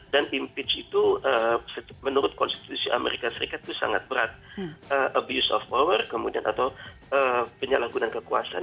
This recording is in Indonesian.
dan impeach itu menurut konstitusi as itu sangat berat abuse of power penyalahgunaan kekuasaan